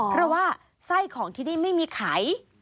เพราะว่าไส้ของที่นี่ไม่มีไข